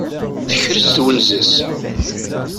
Tekres twenza-s.